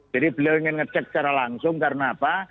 jadi beliau ingin ngecek secara langsung karena apa